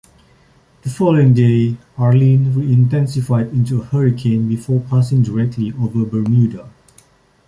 The following day, Arlene re-intensified into a hurricane before passing directly over Bermuda.